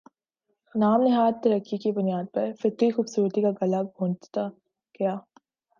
نام نہاد ترقی کی بنا پر فطری خوبصورتی کا گلا گھونٹتا گیا